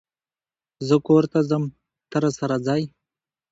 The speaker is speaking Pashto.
زه کور ته ځم ته، راسره ځئ؟